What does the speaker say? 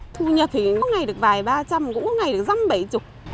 thu nhập thì có ngày được vài ba trăm cũng có ngày được dăm bảy chục